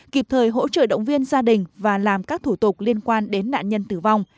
kịp thời hỗ trợ động viên gia đình và làm các thủ tục liên quan đến nạn nhân tử vong